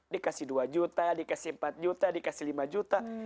dikasih dua juta dikasih empat juta dikasih lima juta